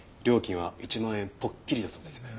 料金は１万円ぽっきりだそうです。